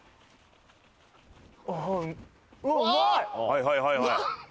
はいはいはいはい。